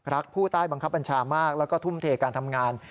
ผู้ใต้บังคับบัญชามากแล้วก็ทุ่มเทการทำงาน